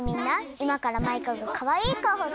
いまからマイカがかわいいかおをするよ！